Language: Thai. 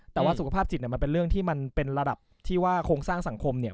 แต่ว่าสุขภาพจิตเนี่ยมันเป็นเรื่องที่มันเป็นระดับที่ว่าโครงสร้างสังคมเนี่ย